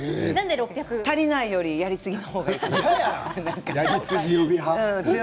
足りないよりやりすぎの方がいい。